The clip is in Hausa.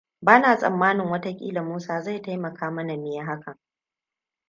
Ba na tsammanin watakila Musa zai taimaka mana mu yi hakan.